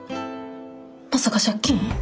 まさか借金？